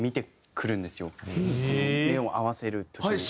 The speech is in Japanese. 目を合わせる時に。